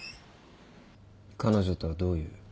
彼女とはどういう？